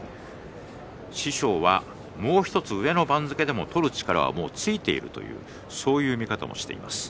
師匠は、もう１つ上の番付でも取る力はもうついているとそういう見方をしています。